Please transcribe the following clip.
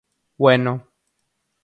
Bueno.